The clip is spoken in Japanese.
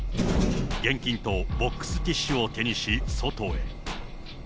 現金とボックスティッシュを手にし、外へ。